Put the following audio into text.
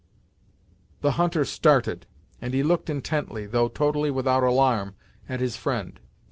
The hunter started, and he looked intently, though totally without alarm, at his friend.